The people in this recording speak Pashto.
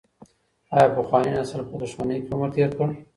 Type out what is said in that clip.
آیا پخواني نسل په دښمنۍ کي عمر تېر کړ؟